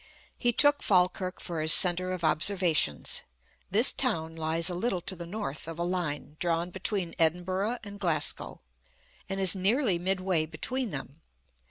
He took Falkirk for his centre of observations. This town lies a little to the north of a line drawn between Edinburgh and Glasgow, and is nearly midway between them.